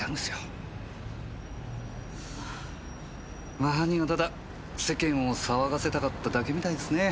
ま犯人はただ世間を騒がせたかっただけみたいですね。